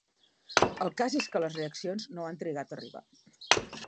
El cas és que les reaccions no han trigat a arribar.